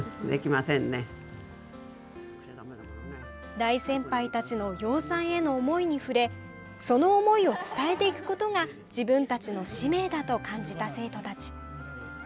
大先輩たちの養蚕への思いに触れその思いを伝えていくことが自分たちの使命だと感じた生徒たち。